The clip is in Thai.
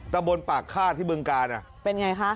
แต่บนปากฆาตที่เบื้องกาเป็นอย่างไรคะ